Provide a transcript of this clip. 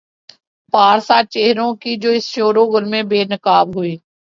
پارسا چہروں کی جو اس شوروغل میں بے نقاب ہوئی۔